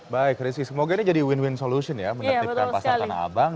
baik rizky semoga ini jadi win win solution ya menertibkan pasar tanah abang